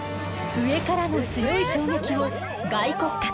上からの強い衝撃を外骨格